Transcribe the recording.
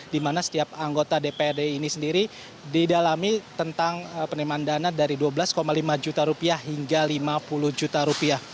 di mana setiap anggota dprd ini sendiri didalami tentang penerimaan dana dari dua belas lima juta rupiah hingga lima puluh juta rupiah